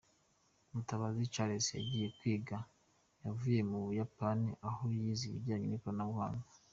Mutabazi Charles yagiye kwiga yavuye mu Buyapani aho yize ibijyanye n'ikoranabuhanga.